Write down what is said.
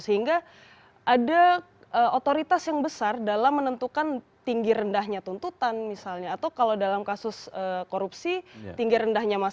sehingga ada otoritas yang besar dalam menentukan tinggi rendahnya tuntutan misalnya atau kalau dalam kasus korupsi tinggi rendahnya masalah